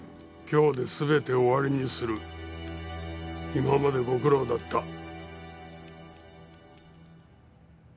今日ですべて終わりにする今までご苦労だった。